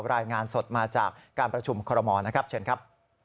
รายงานสดมาจากการประชุมคอรมอลนะครับเชิญครับ